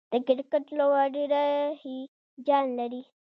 د کرکټ لوبه ډېره هیجان لري.